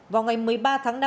vào ngày một mươi ba tháng năm